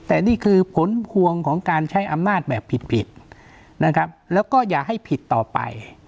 แต่นี่คือผลพวงของการใช้อำนาจแบบผิดนะครับแล้วก็อย่าให้ผิดต่อไป